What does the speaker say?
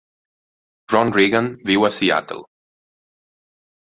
Ron Reagan viu a Seattle.